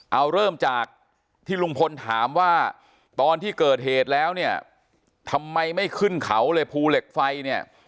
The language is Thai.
เอาเริ่มจากที่ลุงพลถามว่าตอนที่เกิดเหตุแล้วเนี่ยทำไมไม่ขึ้นเขาเลยภูเหล็กไฟเนี่ย